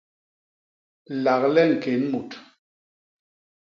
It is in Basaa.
Lagle ñkén mut.